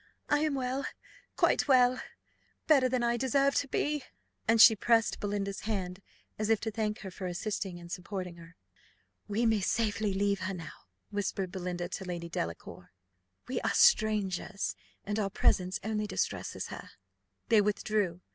"I am well quite well better than I deserve to be;" and she pressed Belinda's hand, as if to thank her for assisting and supporting her. "We may safely leave her now," whispered Belinda to Lady Delacour; "we are strangers, and our presence only distresses her." They withdrew.